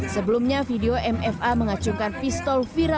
sebelumnya video mfa mengacungkan pistol viral